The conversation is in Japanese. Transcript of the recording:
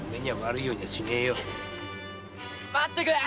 待ってくれ！